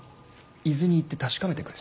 伊豆に行って確かめてくれ。